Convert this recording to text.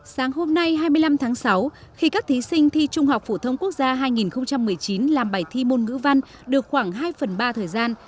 sáng hôm nay hai mươi năm tháng sáu khi các thí sinh thi trung học phổ thông quốc gia hai nghìn một mươi chín làm bài thi môn ngữ văn được khoảng hai phần ba thời gian